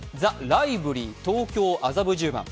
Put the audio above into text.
まず、ＴＨＥＬＩＶＥＬＹ東京麻布十番。